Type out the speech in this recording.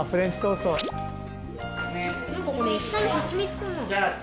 ・何かこれ下のハチミツかな？